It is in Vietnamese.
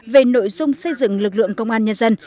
về nội dung xây dựng lực lượng công an nhân dân